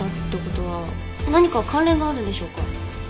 何か関連があるんでしょうか？